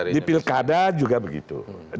di pilkada juga begitu